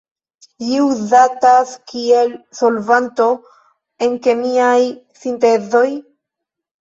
Ĝi uzatas kiel solvanto en kemiaj sintezoj.